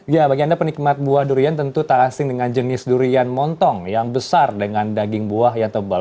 ya bagi anda penikmat buah durian tentu tak asing dengan jenis durian montong yang besar dengan daging buah yang tebal